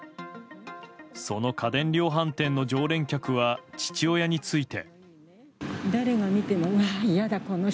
その家電量販店の常連客は父親について。